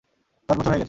দশ বছর হয়ে গেছে।